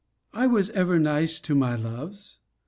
I was ever nice in my loves.